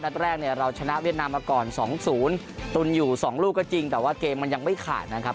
แรกเนี่ยเราชนะเวียดนามมาก่อน๒๐ตุนอยู่๒ลูกก็จริงแต่ว่าเกมมันยังไม่ขาดนะครับ